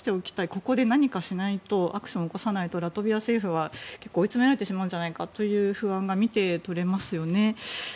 ここで何かしないとアクションを起こさないとラトビア政府は結構追い詰められてしまうんじゃないかという不安が見て取れますよね。